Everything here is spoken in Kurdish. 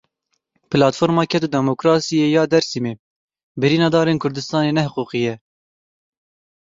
Platforma Ked û Demokrasiyê ya Dêrsimê: Birîna darên Kurdistanê ne hiqûqî ye.